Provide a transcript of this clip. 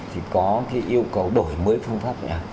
thì có cái yêu cầu đổi mới phương pháp